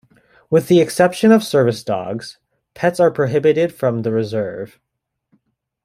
With the exception of service dogs, pets are prohibited from the reserve.